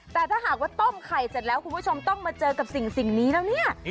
แต่ถ้าหากว่าต้มไข่เสร็จแล้วคุณผู้ชมต้องมาเจอกับสิ่งนี้แล้วเนี่ย